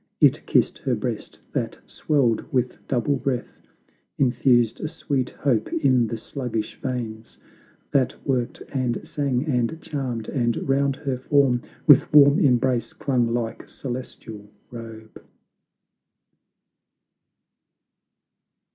It kissed her breast, that swelled with double breath; Infused a sweet hope in the sluggish veins, That worked and sang and charmed; and 'round her form With warm embrace, clung like celestial robe.